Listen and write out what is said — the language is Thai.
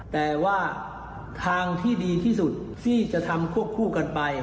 แต่ว่าทางที่ดีที่สุดที่จะทำควบคู่กันไป